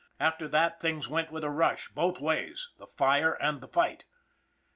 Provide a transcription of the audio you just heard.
After that, things went with a rush both ways the fire and the fight.